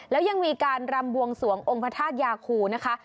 แล้วยังมีการรำบวงสวงองค์พระธาตุยาคูนะคะ